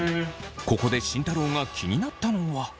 ここで慎太郎が気になったのは。